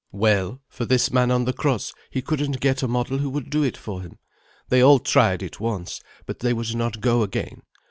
Well, for this man on the cross, he couldn't get a model who would do it for him. They all tried it once, but they would not go again.